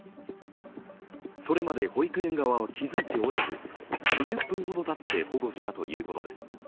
それまで保育園側は気付いておらず、２０分ほどたって保護したということです。